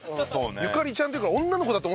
「ゆかりちゃん」っていうから女の子だと思っちゃって。